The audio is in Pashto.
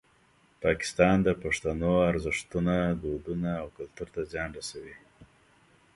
پاکستان د پښتنو ارزښتونه، دودونه او کلتور ته زیان رسوي.